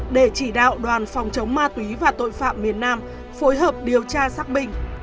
để chỉ đạo đoàn phòng chống ma túy và tội phạm miền nam phối hợp điều tra xác minh